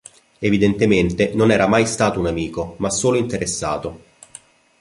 Evidentemente non era mai stato un amico ma solo interessato.